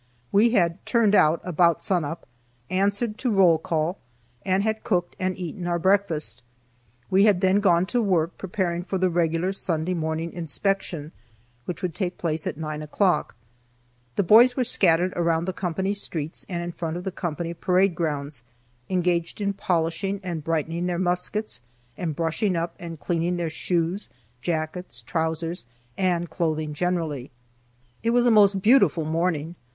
We had "turned out" about sunup, answered to roll call, and had cooked and eaten our breakfast. We had then gone to work, preparing for the regular Sunday morning inspection, which would take place at nine o'clock. The boys were scattered around the company streets and in front of the company parade grounds, engaged in polishing and brightening their muskets, and brushing up and cleaning their shoes, jackets, trousers, and clothing generally. It was a most beautiful morning.